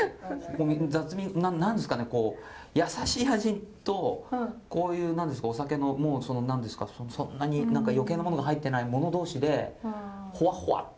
雑味何ですかねこう優しい味とこういう何ですかお酒の何ですかそんなに余計なものが入っていないもの同士でほわっほわっという感じで。